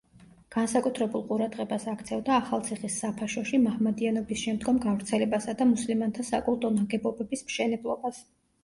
განსაკუთრებულ ყურადღებას აქცევდა ახალციხის საფაშოში მაჰმადიანობის შემდგომ გავრცელებასა და მუსლიმანთა საკულტო ნაგებობების მშენებლობას.